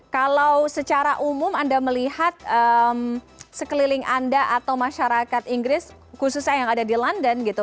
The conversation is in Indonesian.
kalau secara umum anda melihat sekeliling anda atau masyarakat inggris khususnya yang ada di london gitu